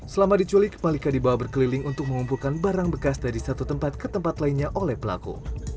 selama diculik malika dibawa berkeliling untuk mengumpulkan barang bekas dari satu tempat ke tempat lainnya oleh pelaku